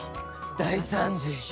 大惨事。